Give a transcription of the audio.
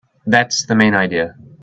That's the main idea.